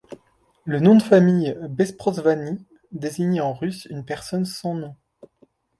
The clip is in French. Le nom de famille Besprosvanni désignait en russe une personne sans nom.